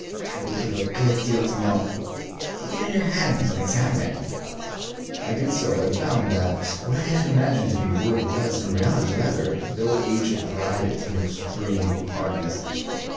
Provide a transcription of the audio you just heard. I would give a good deal to know. Take it in your hands and examine it. ŌĆØ I did so, and found that what I had imagined to be wood was in reality leather, though age had dried it into an extreme hardness.